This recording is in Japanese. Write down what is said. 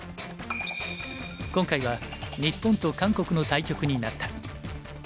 今回は日本と韓国の対局になった。